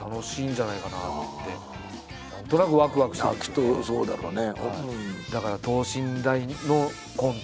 きっとそうだろうね。